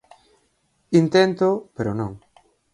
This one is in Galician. Inténtoo pero non.